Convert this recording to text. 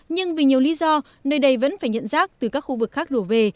nhưng vì nhiều lý do nơi đây vẫn phải nhận rác từ các khu vực khác đổ về